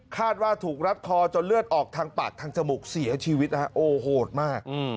คาดว่าถูกรัดคอจนเลือดออกทางปากทางจมูกเสียชีวิตนะฮะโอ้โหโหดมาก